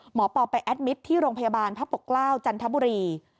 ปอไปแอดมิตรที่โรงพยาบาลพระปกเกล้าจันทบุรี